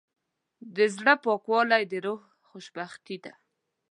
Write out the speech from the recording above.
د زړه پاکوالی د روح خوشبختي ده.